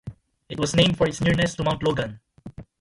It was named for its nearness to Mount Logan.